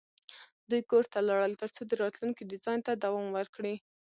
دوی کور ته لاړل ترڅو د راتلونکي ډیزاین ته دوام ورکړي